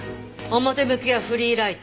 表向きはフリーライター。